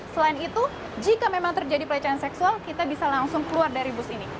selain itu jika memang terjadi pelecehan seksual kita bisa langsung keluar dari bus ini